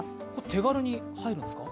手軽に手入るんですか？